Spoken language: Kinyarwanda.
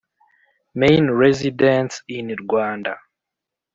main residence in Rwanda